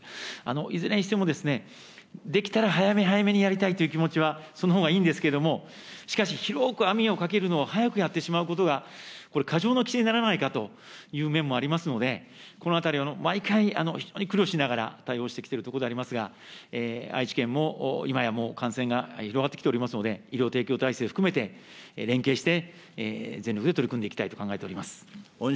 いずれにしてもですね、できたら早め早めにやりたいという気持ちは、そのほうがいいんですけれども、しかし広く網をかけるのを早くやってしまうことが、これ、過剰な規制にならないかという面もありますので、このあたりは毎回、非常に苦慮しながら対応してきているところではありますが、愛知県も今やもう、感染が広がってきておりますので、医療提供体制含めて、連携して、全力で取り組んでいきたいと考えております。